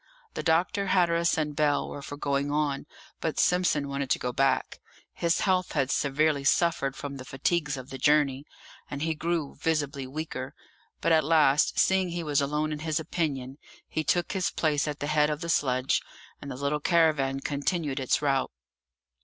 The doctor, Hatteras, and Bell were for going on, but Simpson wanted to go back; his health had severely suffered from the fatigues of the journey, and he grew visibly weaker; but at last, seeing he was alone in his opinion, he took his place at the head of the sledge, and the little caravan continued its route.